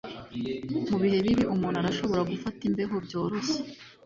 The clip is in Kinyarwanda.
Mu bihe bibi umuntu arashobora gufata imbeho byoroshye